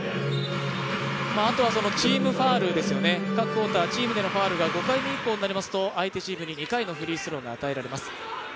あとはチームファウルですよね、各クオーターチームでのファウルが５回になりますと相手チームに２回のフリースローが与えられます。